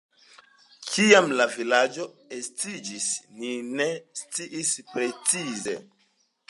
Kiam la vilaĝo estiĝis, ni ne scias precize.